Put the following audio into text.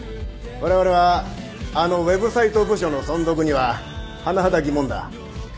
われわれはあのウェブサイト部署の存続には甚だ疑問だ。